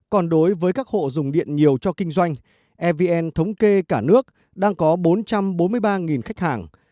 còn đối với các hộ dùng điện nhiều cho kinh doanh evn thống kê cả nước đang có bốn trăm bốn mươi ba khách hàng